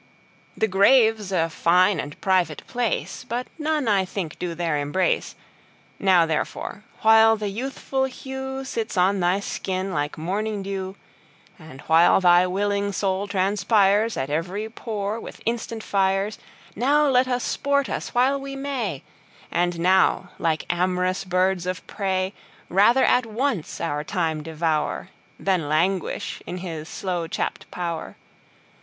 The Grave's a fine and private place, But none I think do there embrace. Now therefore, while the youthful hewSits on thy skin like morning [dew]And while thy willing Soul transpiresAt every pore with instant Fires, Now let us sport us while we may; And now, like am'rous birds of prey, Rather at once our Time devour, Than languish in his slow chapt pow'r.